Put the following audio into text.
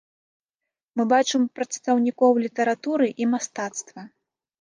Мы бачым прадстаўнікоў літаратуры і мастацтва.